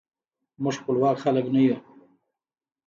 موږ خپواک خلک نه یو.